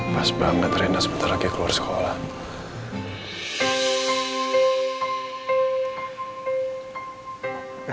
pas banget rena sebentar lagi keluar sekolah